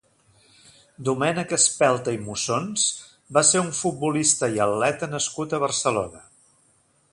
Domènec Espelta i Mussons va ser un futbolista i atleta nascut a Barcelona.